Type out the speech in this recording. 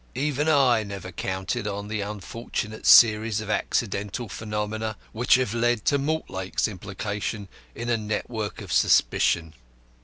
Even I never counted on the unfortunate series of accidental phenomena which have led to Mortlake's implication in a network of suspicion.